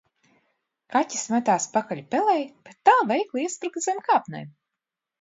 Kaķis metās pakaļ pelei, bet tā veikli iespruka zem kāpnēm